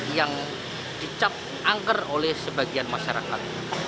yang dicap angker oleh sebagian masyarakat